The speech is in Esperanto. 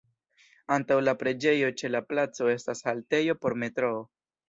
Antaŭ la preĝejo ĉe la placo estas haltejo por metroo.